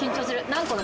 何個？